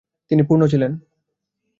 তিনি পূর্ন ছিলেন।